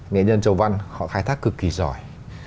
nghệ nhân chầu văn họ khai thác cực kỳ giỏi